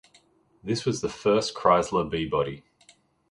This was the first Chrysler B-Body.